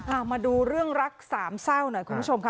เอามาดูเรื่องรักสามเศร้าหน่อยคุณผู้ชมค่ะ